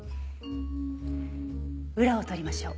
裏を取りましょう。